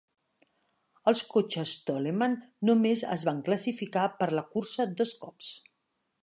Els cotxes Toleman només es van classificar per la cursa dos cops.